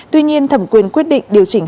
tuy nhiên thẩm quyền quyết định điều chỉnh